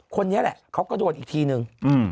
คนนี้แหละเขาก็โดนอีกทีนึง